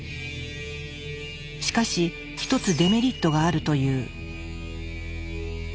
しかし一つデメリットがあるという。